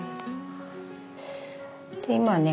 で今はね